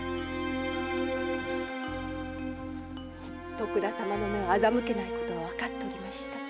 徳田様の目は欺けないことはわかっていました。